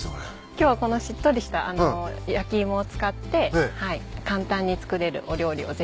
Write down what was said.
今日はこのしっとりした焼き芋を使って簡単に作れるお料理をぜひ。